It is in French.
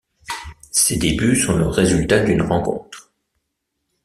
Ces débuts sont le résultat d'une rencontre.